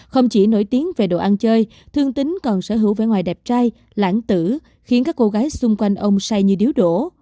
không chỉ nổi tiếng về đồ ăn chơi thương tính còn sở hữu vẻ ngoài đẹp trai lãng tử khiến các cô gái xung quanh ông sai như điếu đổ